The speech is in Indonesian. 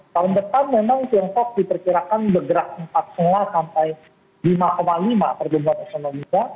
tahun depan memang tiongkok diperkirakan bergerak empat lima sampai lima lima pertumbuhan ekonominya